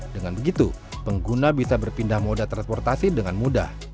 dengan begitu pengguna bisa berpindah moda transportasi dengan mudah